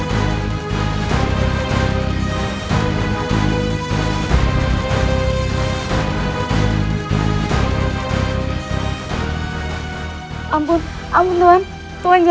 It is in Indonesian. lama sekali itu dia membawa cina nya ke snazure